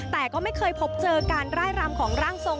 แต่ก็ไม่เคยพบเจอการร่ายรำของร่างทรง